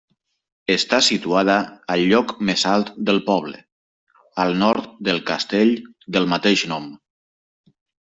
Està situada al lloc més alt del poble, al nord del castell del mateix nom.